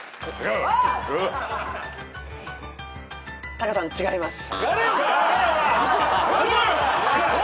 タカさん違います。